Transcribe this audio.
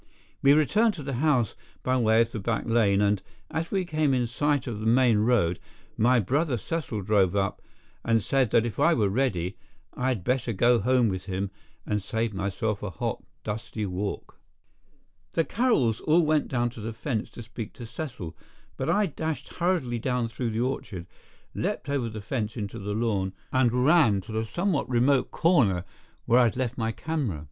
We returned to the house by way of the back lane and, as we came in sight of the main road, my brother Cecil drove up and said that if I were ready, I had better go home with him and save myself a hot, dusty walk. The Carrolls all went down to the fence to speak to Cecil, but I dashed hurriedly down through the orchard, leaped over the fence into the lawn and ran to the somewhat remote corner where I had left my camera.